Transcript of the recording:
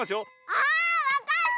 あっわかった！